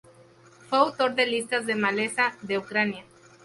Fue autor de listas de malezas de Ucrania.